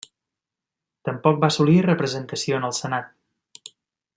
Tampoc va assolir representació en el Senat.